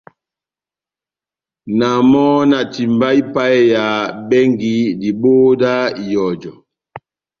Na mɔ na timbaha ipaheya bɛngi dibohó dá ihɔjɔ.